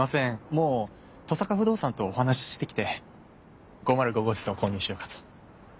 もう登坂不動産とお話ししてきて５０５号室を購入しようかと。